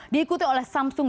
diikuti oleh samsung